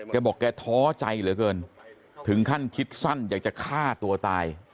แกบอกแกท้อใจเหลือเกินถึงขั้นคิดสั้นอยากจะฆ่าตัวตาย